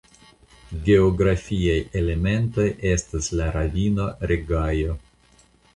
Geografiaj elementoj estas la ravino Regajo.